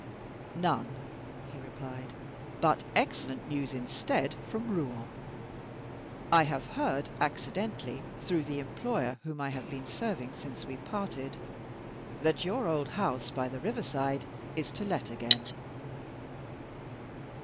"None," he replied; "but excellent news, instead, from Rouen. I have heard, accidentally, through the employer whom I have been serving since we parted, that your old house by the river side is to let again."